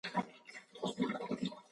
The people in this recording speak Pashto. تواب حرکت ونه کړ.